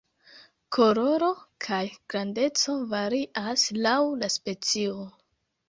Koloro kaj grandeco varias laŭ la specio.